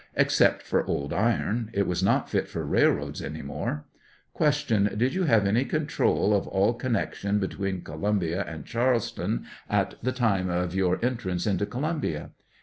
Except for old iron; it was not fit for railroads any more. Q. Did you have control of all connection between Columbia and Charleston at the time of your entrance into Colombia?